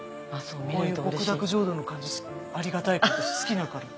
こういう極楽浄土の感じありがたい好きだから。